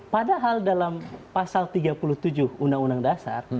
padahal dalam pasal tiga puluh tujuh undang undang dasar